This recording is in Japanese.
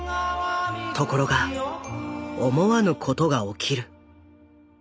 ところが思わぬことが起きる。